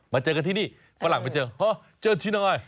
มาเจอกันที่นี่ฝรั่งมาเจอเฮ้อเจอที่ไหน